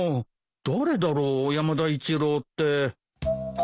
誰だろう山田一郎って。